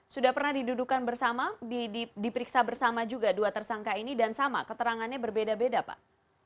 sudah pernah didudukan bersama diperiksa bersama juga dua tersangka ini dan sama keterangannya berbeda beda pak